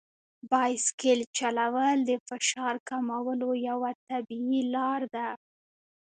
بایسکل چلول د فشار کمولو یوه طبیعي لار ده.